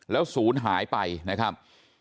แล้วศูนย์หายไปนะครับ